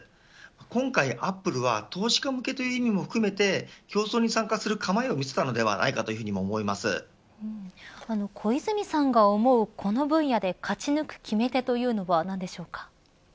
今回、アップルは投資家向けという意味も含めて競争に参加する構えを見せたのではないか小泉さんが思う、この分野で勝ち抜く決め手というのは何でしょうか。